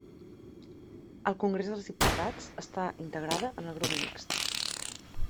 Al Congrés dels Diputats està integrada en el grup mixt.